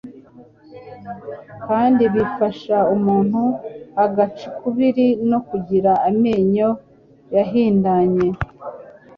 kandi bifasha umuntu agaca ukubiri no kugira amenyo y'ahindanye